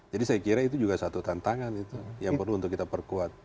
jadi saya kira itu juga satu tantangan itu yang perlu untuk kita perkuat